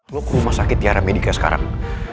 lo ke rumah sakit tiara medika sekarang